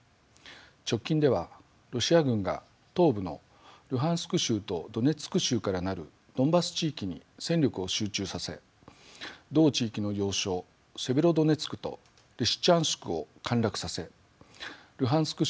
直近ではロシア軍が東部のルハンシク州とドネツク州から成るドンバス地域に戦力を集中させ同地域の要衝セベロドネツクとリシチャンシクを陥落させルハンシク